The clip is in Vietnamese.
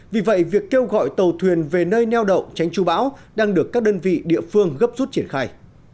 vì vậy việc kêu gọi tàu thuyền về nơi neo đậu tránh chú bão đang được các đơn vị địa phương gấp rút triển khai